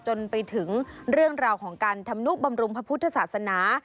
จนไปถึงเรื่องราวของการทำนุบำรุงพระพุทธศาสนา